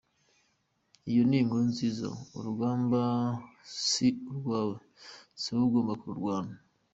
Iyo ni inkuru nziza! Urugamba si urwawe, si wowe ugomba kururwana.